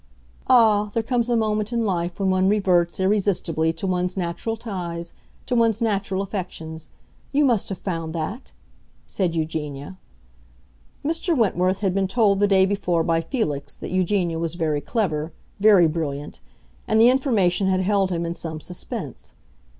"Ah, there comes a moment in life when one reverts, irresistibly, to one's natural ties—to one's natural affections. You must have found that!" said Eugenia. Mr. Wentworth had been told the day before by Felix that Eugenia was very clever, very brilliant, and the information had held him in some suspense.